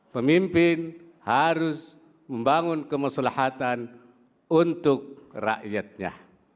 pemimpin harus membangun kemaslahatan untuk rakyatnya